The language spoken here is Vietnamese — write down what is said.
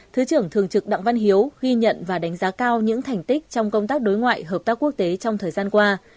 thứ trưởng thường trực đặng văn hiếu ghi nhận và đánh giá cao những thành tích trong công tác đối ngoại hợp tác quốc tế trong thời gian qua